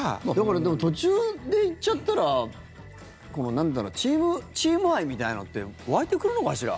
でも途中で行っちゃったらチーム愛みたいなのって湧いてくるのかしら？